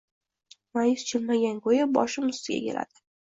Ma’yus jilmaygan ko‘yi boshim ustiga egiladi.